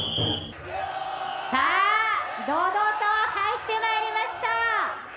「さあ堂々と入ってまいりました」。